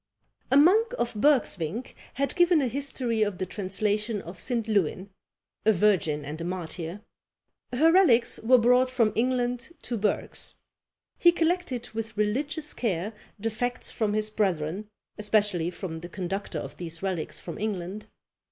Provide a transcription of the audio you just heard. A monk of Bergsvinck has given a history of the translation of St. Lewin, a virgin and a martyr: her relics were brought from England to Bergs. He collected with religious care the facts from his brethren, especially from the conductor of these relics from England.